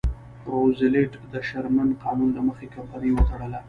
روزولټ د شرمن قانون له مخې کمپنۍ وتړله.